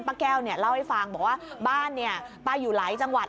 ป้าแก้วเล่าให้ฟังบอกว่าบ้านเปล่าอยู่หลายจังหวัด